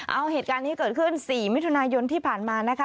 เอาเหตุการณ์นี้เกิดขึ้น๔มิถุนายนที่ผ่านมานะคะ